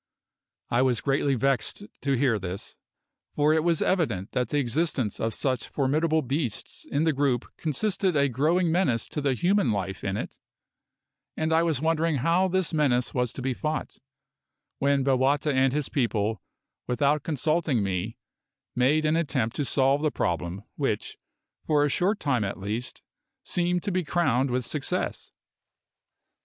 I was greatly vexed to hear this, for it was evident that the existence of such formidable beasts in the group constituted a growing menace to the human life in it; and I was wondering how this menace was to be fought, when Bowata and his people, without consulting me, made an attempt to solve the problem, which, for a short time at least, seemed to be crowned with success.